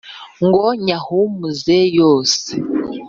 Ngo nyahumuze yose,